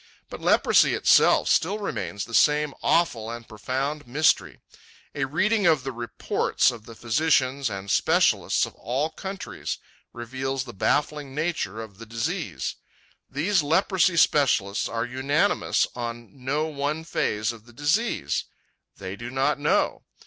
But leprosy itself still remains the same awful and profound mystery. A reading of the reports of the physicians and specialists of all countries reveals the baffling nature of the disease. These leprosy specialists are unanimous on no one phase of the disease. They do not know.